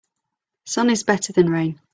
Sun is better than rain.